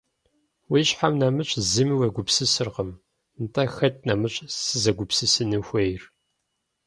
-Уи щхьэм нэмыщӏ зыми уегупсысыркъым. – Нтӏэ хэт нэмыщӏ сызэгупсысын хуейр?